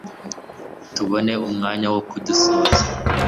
tubone umwanya wo kudusoza